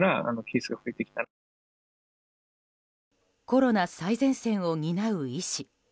コロナ最前線を担う医師